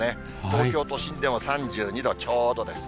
東京都心でも３２度ちょうどです。